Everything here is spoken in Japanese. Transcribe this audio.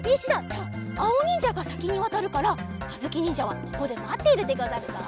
じゃあおにんじゃがさきにわたるからかずきにんじゃはここでまっているでござるぞ。